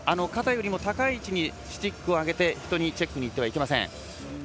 肩よりも高い位置にスティックを上げてチェックにいってはいけません。